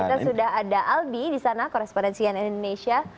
kita sudah ada albi di sana korespondensian indonesia